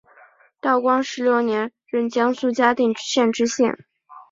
道光十六年任江苏嘉定县知县。